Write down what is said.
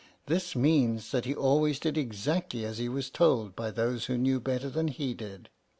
1 This means that he always did exactly as he was told by those who knew better than he did.